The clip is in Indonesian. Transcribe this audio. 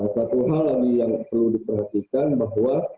satu hal lagi yang perlu diperhatikan bahwa